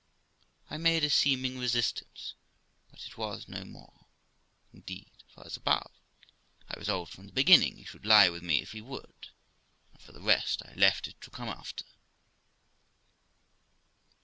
I made a seeming resistance, but it was no more, indeed ; for, as above, I resolved from the beginning he should lie with me if he would, and, for the rest, I left it to come after.